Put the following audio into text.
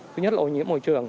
thứ nhất là ổ nhiễm môi trường